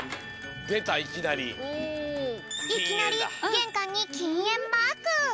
いきなりげんかんにきんえんマーク。